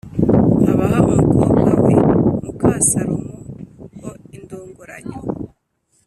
abaha umukobwa we muka Salomo ho indongoranyo